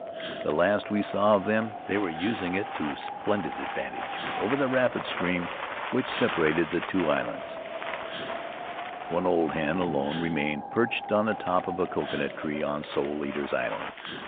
The last we saw of them they were using it to splendid advantage over the rapid stream which separated the two islands. One old hen, alone, remained perched in the top of a An Adventure in Solitude coconut tree on Soul Eaters' Island.